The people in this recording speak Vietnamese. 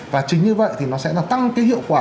và chính như vậy thì nó sẽ làm tăng cái hiệu quả